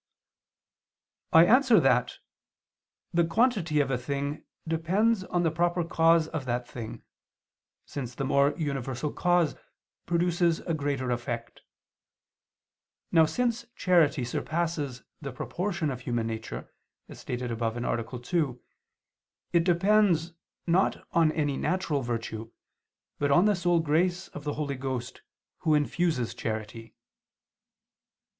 I answer that, The quantity of a thing depends on the proper cause of that thing, since the more universal cause produces a greater effect. Now, since charity surpasses the proportion of human nature, as stated above (A. 2) it depends, not on any natural virtue, but on the sole grace of the Holy Ghost Who infuses charity.